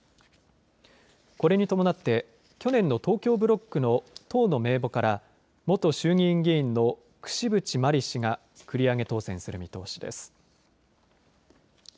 これに伴って去年の東京ブロックの党の名簿から元衆議院議員の櫛渕万里氏が繰り上げ当選する見通しです。